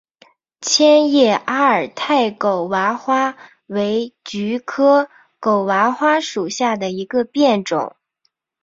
千叶阿尔泰狗娃花为菊科狗哇花属下的一个变种。